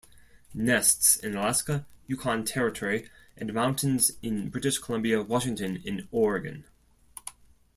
Nests in Alaska, Yukon Territory, and mountains in British Columbia, Washington, and Oregon.